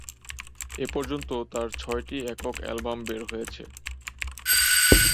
এ পর্যন্ত তার ছয়টি একক অ্যালবাম বের হয়েছে।